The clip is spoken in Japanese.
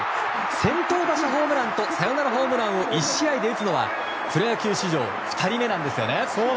先頭打者ホームランとサヨナラホームランを１試合で打つのはプロ野球史上２人目なんですね。